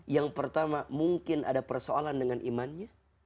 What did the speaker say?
yang pertama mungkin ada persoalan dengan imannya